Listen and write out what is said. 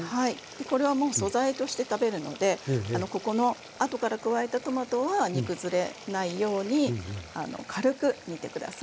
でこれはもう素材として食べるのでここのあとから加えたトマトは煮崩れないように軽く煮て下さい。